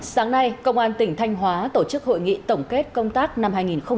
sáng nay công an tỉnh thanh hóa tổ chức hội nghị tổng kết công tác năm hai nghìn một mươi chín